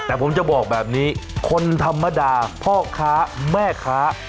แต่ผมจะบอกแบบนี้คนธรรมดาพ่อค้าแม่ค้า